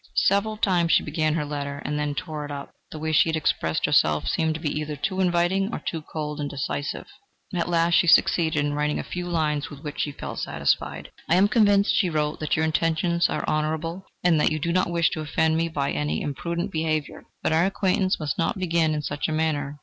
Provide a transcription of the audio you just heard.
Several times she began her letter, and then tore it up: the way she had expressed herself seemed to her either too inviting or too cold and decisive. At last she succeeded in writing a few lines with which she felt satisfied. "I am convinced," she wrote, "that your intentions are honourable, and that you do not wish to offend me by any imprudent behaviour, but our acquaintance must not begin in such a manner.